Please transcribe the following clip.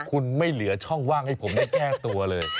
คุณไม่เหลือช่องว่างให้ผมได้แก้ตัวเลย